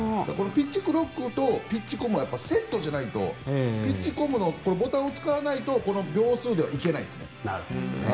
ピッチクロックとピッチコムはセットじゃないとピッチコムのボタンを使わないとこの秒数では行けないですね。